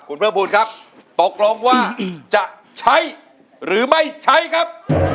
คุณเพิ่มภูมิครับตกลงว่าจะใช้หรือไม่ใช้ครับ